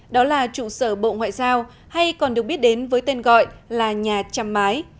đó là trụ sở bộ ngoại giao hay còn được biết đến với tên gọi là nhà trăm mái